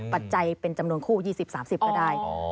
ปัจจัยเป็นจำนวนคู่๒๐๓๐ก็ได้